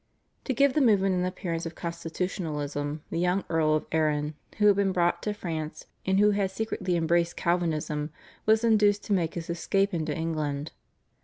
To give the movement an appearance of constitutionalism the young Earl of Arran, who had been brought to France and who had secretly embraced Calvinism, was induced to make his escape into England.